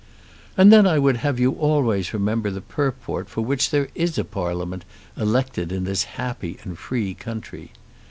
And then I would have you always remember the purport for which there is a Parliament elected in this happy and free country.